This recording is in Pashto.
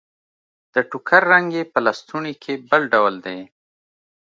د ټوکر رنګ يې په لستوڼي کې بل ډول دی.